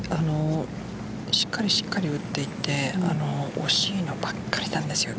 しっかり打っていって惜しいのばっかりなんですよね